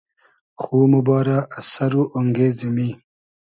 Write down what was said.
خو موبارۂ از سئر و اۉنگې زیمی